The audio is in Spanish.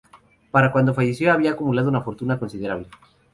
Para cuando falleció había acumulado una fortuna considerable.